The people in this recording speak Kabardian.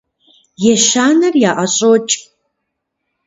Ещанэр яӀэщӀокӀ.